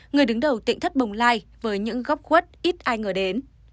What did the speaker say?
người đứng đầu tịnh thất bồng lai với những góc quất ít ai ngờ đến